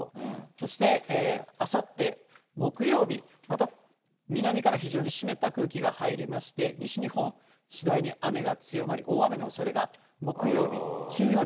そしてあさって木曜日、また南から非常に湿った空気が入りまして、西日本、次第に雨が強まり、大雨のおそれが木曜日、金曜日。